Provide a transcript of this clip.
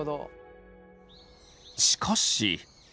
しかし。